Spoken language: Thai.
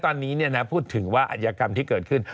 ตอนนี้พูดถึงว่าอัธยกรรมที่เกิดขึ้น